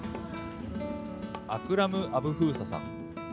アクラム・アブフーサさん。